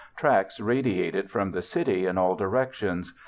Tracks radiated from the city in all directions.